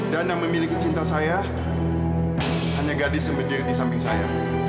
dan yang memiliki cinta saya hanya gadis yang benar di samping saya